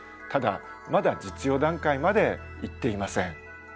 ただまだ実用段階までいっていません。